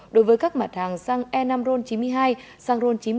đối với các mặt hàng sang e năm r chín mươi hai sang r chín mươi năm